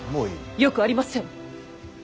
よくありません。